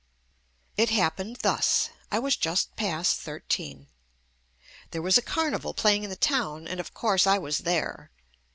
It happened thus — I was just past thirteen. There was a carnival playing in the town and, of course, I was there.